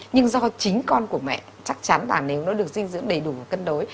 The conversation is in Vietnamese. nhưng do chính con của mẹ chắc chắn là nếu nó được dinh dưỡng đầy đủ và cân đối